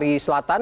ini ada tiga